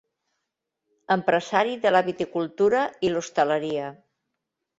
Empresari de la viticultura i l'hostaleria.